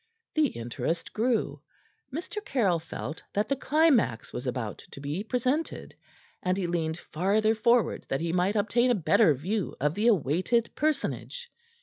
The interest grew. Mr. Caryll felt that the climax was about to be presented, and he leaned farther forward that he might obtain a better view of the awaited personage.